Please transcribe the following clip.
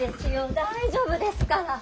大丈夫ですから。